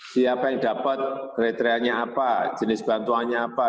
siapa yang dapat kriterianya apa jenis bantuannya apa